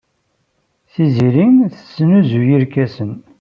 Tiziri tesnuzuy irkasen.